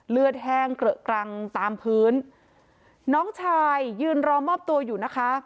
แห้งเกลอะกรังตามพื้นน้องชายยืนรอมอบตัวอยู่นะคะ